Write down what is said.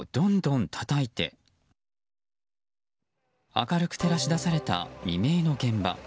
明るく照らし出された未明の現場。